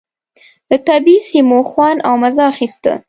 له طبعي سیمو خوند او مزه اخيسته.